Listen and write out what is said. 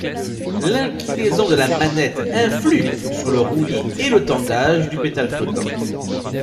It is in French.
L'inclinaison de la manette influe sur le roulis et le tangage du pétale flottant.